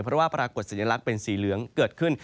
เพราะว่าปรากฏสัญลักษณ์เป็นสีเหลืองเกิดขึ้น